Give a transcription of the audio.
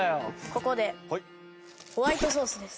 ここでホワイトソースです。